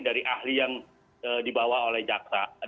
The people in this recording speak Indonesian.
dari ahli yang dibawa oleh jaksa